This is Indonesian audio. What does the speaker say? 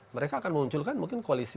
mereka akan munculkan mungkin koalisi